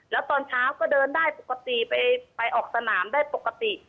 แล้วตอนเช้าก็เดินได้ปกติไปออกสนามได้ปกติ